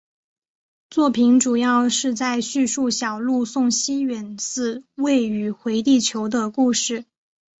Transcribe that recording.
作品主要是在叙述小路送西远寺未宇回地球的故事。